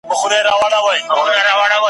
د یوه معتاد لخوا !.